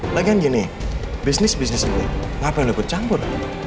lagian gini bisnis bisnis ini ngapain lo ikut campur